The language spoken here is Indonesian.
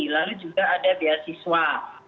lalu juga ada beasiswa